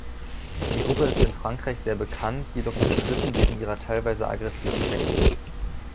Die Gruppe ist in Frankreich sehr bekannt, jedoch umstritten wegen ihrer teilweise aggressiven Texte.